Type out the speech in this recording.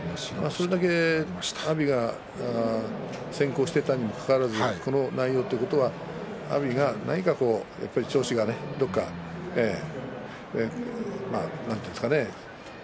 阿炎がそれだけ先行していたにもかかわらずこの内容ということは阿炎が何か、こう調子がどこかなんて言うんですかね